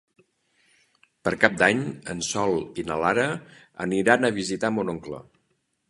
Per Cap d'Any en Sol i na Lara aniran a visitar mon oncle.